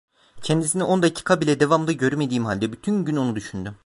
Kendisini on dakika bile devamlı görmediğim halde bütün gün onu düşündüm!